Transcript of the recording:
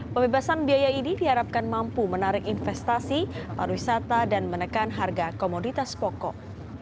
pembebasan biaya ini diharapkan mampu menarik investasi pariwisata dan menekan harga komoditas pokok